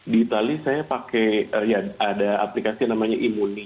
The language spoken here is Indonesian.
di itali saya pakai ya ada aplikasi namanya imuni